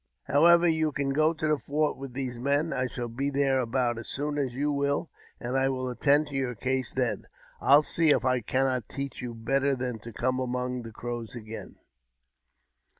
How ever, you can go to the fort with these men. I shall be there about as soon as you will, and I will attend to your case then» I'll see if I cannot teach you better than to come among the Crows again."